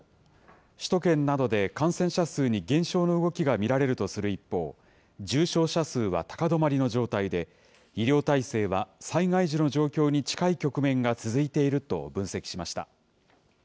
首都圏などで感染者数に減少の動きが見られるとする一方、重症者数は高止まりの状態で、医療体制は災害時の状況に近い局面が続いていると分析しました。